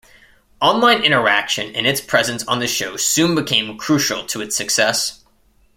Online interaction and its presence on the show soon became crucial to its success.